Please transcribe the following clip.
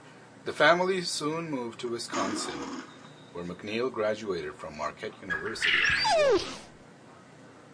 The family soon moved to Wisconsin, where McNeill graduated from Marquette University in Milwaukee.